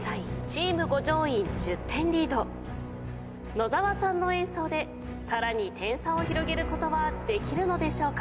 野澤さんの演奏でさらに点差を広げることはできるのでしょうか。